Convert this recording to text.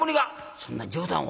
「そんな冗談を」。